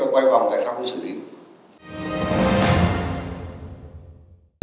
quay vòng tại sao không xử lý